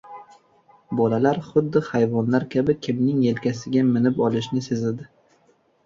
Bolalar xuddi hayvonlar kabi kimning yelkasiga minib olishni sezadi.